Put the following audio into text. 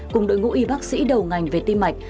cùng đội ngũ y bác sĩ đầu ngành về tim mạch